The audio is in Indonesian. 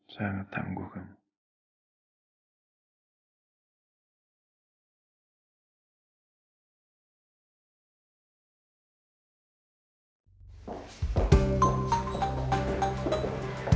sangat tangguh kamu